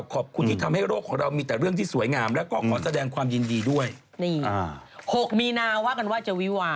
ก็ใช่ไงใช่